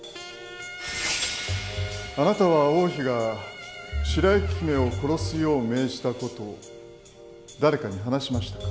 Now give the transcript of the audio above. あなたは王妃が白雪姫を殺すよう命じた事を誰かに話しましたか？